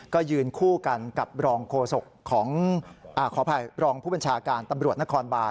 ก็ยืนคู่กันกับรองโฆษกของขออภัยรองผู้บัญชาการตำรวจนครบาน